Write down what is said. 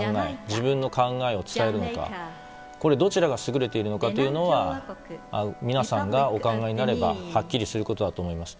自分の考えを伝えるのかどちらが優れているのかというのは皆さんがお考えになればはっきりすることだと思います。